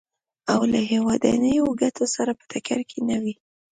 او له هېوادنیو ګټو سره په ټکر کې نه وي.